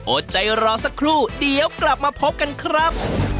อดใจรอสักครู่เดี๋ยวกลับมาพบกันครับ